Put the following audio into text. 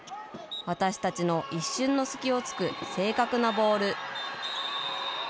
私たちの一瞬の隙を突く正確なボール。